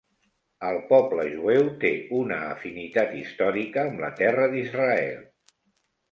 El poble jueu té una afinitat històrica amb la Terra d'Israel.